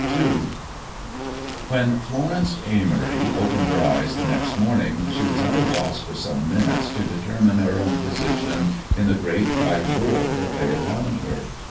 II When Florence Amory opened her eyes the next morning, she was at a loss for some minutes to determine her own position in the great white world that lay around her.